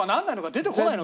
出てこないの？